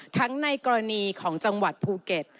ในกรณีของจังหวัดภูเก็ต